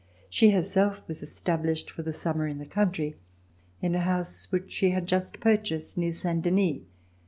She herself was established for the summer in the country in a house which she had just purchased near Saint Denis.